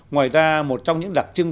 ngoài ra một trong những đặc trưng